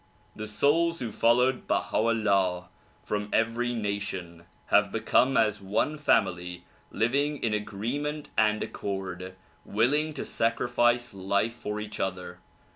The souls who followed Baha 'Ullah from every nation have become as one family living in agreement and accord, willing to sacrifice life for each other.